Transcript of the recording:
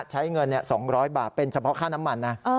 ใช้เงิน๒๐๐บาทเป็นเฉพาะค่าน้ำมันนะ